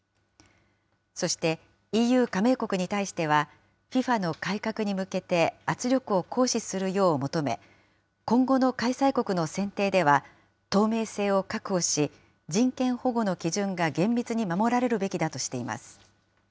そして、ＥＵ加盟国に対しては、ＦＩＦＡの改革に向けて圧力を行使するよう求め、今後の開催国の選定では透明性を確保し、人権保護の基準が厳密に守られるべきだとしています。